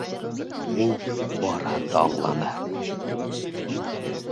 Ул барыһын да аңланы.